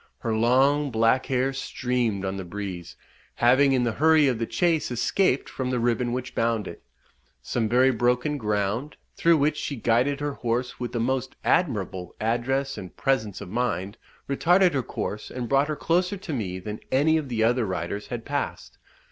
Her long black hair streamed on the breeze, having in the hurry of the chase escaped from the ribbon which bound it. Some very broken ground, through which she guided her horse with the most admirable address and presence of mind, retarded her course, and brought her closer to me than any of the other riders had passed.